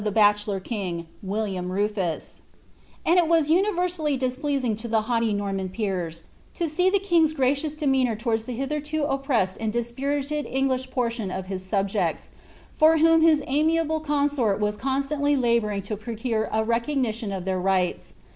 101 the bachelor king, William Rufiu ; and it was universally displeasing to the haughty Norman peers, to see the king's gracious demeanour towards the hitherto oppressed and dispirited English portion of his sub jects, for whom his amiable consort was constantly labouring to procure a recognition of their rights.